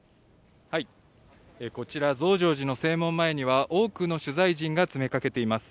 こちら、増上寺の正門前には、多くの取材陣が詰めかけています。